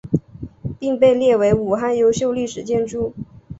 并被列为武汉优秀历史建筑。